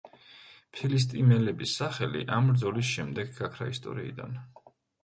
ფილისტიმელების სახელი ამ ბრძოლის შემდეგ გაქრა ისტორიიდან.